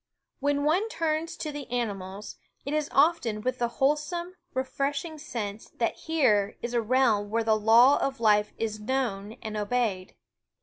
* When one turns to the animals, it is often with the wholesome, refresh "^ ing sense that here is a realm where the law of life is known and obeyed.